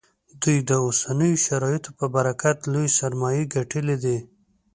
دوی د اوسنیو شرایطو په برکت لویې سرمایې ګټلې دي